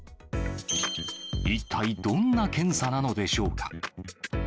一体どんな検査なのでしょうか。